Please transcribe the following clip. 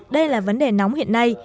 đây là vấn đề nóng hiện nay